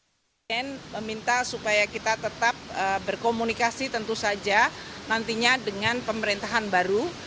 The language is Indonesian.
presiden meminta supaya kita tetap berkomunikasi tentu saja nantinya dengan pemerintahan baru